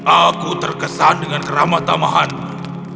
aku terkesan dengan keramatamahannya